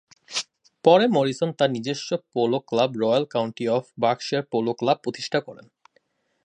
পরে মরিসন তার নিজস্ব polo club Royal County of Berkshire Polo club প্রতিষ্ঠা করেন।